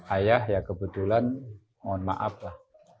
ayah ya kebetulan mohon maaf lah